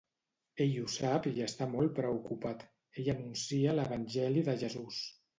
Ell ho sap i està molt preocupat, ell anuncia l'evangeli de Jesús.